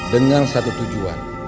dengan satu tujuan